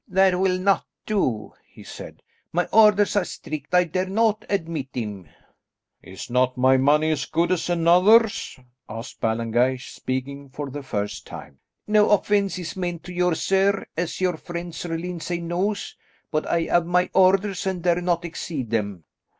"That will not do," he said, "my orders are strict. I dare not admit him." "Is not my money as good as another's?" asked Ballengeich, speaking for the first time. "No offence is meant to you, sir, as your friend Sir Lyndsay knows, but I have my orders and dare not exceed them."